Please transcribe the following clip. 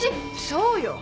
そうよ。